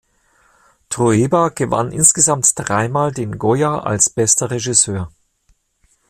Trueba gewann insgesamt dreimal den Goya als bester Regisseur.